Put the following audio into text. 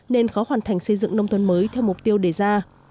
nên khó hoàn thành xây dựng nông thôn mới theo mục tiêu đề ra